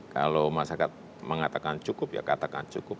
kalau masyarakat mengatakan cukup ya katakan cukup